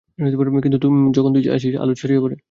কিন্তু যখনি তুই আসিস, আলো ছড়িয়ে পরে।